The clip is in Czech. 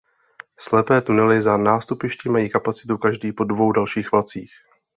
Slepé tunely za nástupišti mají kapacitu každý po dvou dalších vlacích.